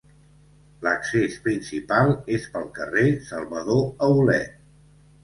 L'accés principal és pel carrer Salvador Aulet.